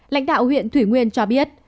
lãnh đạo huyện thủy nguyên cho biết